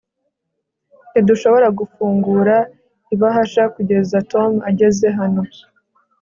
ntidushobora gufungura ibahasha kugeza tom ageze hano